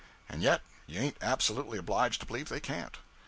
And yet you ain't absolutely obliged to believe they can't.